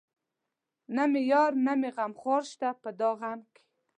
نه مې يار نه مې غمخوار شته په دا غم کې